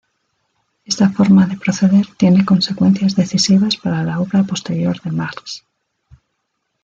Esta forma de proceder tiene consecuencias decisivas para la obra posterior de Marx.